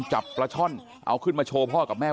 จับปลาช่อนเอาขึ้นมาโชว์พ่อกับแม่